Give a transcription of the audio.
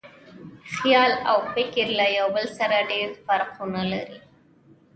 خیال او فکر یو له بل سره ډېر فرقونه لري.